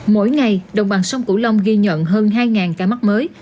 mỗi ngày đồng bằng sông cửu long ghi nhận hơn hai ca mắc mới